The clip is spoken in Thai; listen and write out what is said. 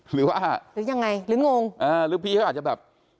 หรือยังไงหรืองงหรือพี่ก็อาจจะแบบ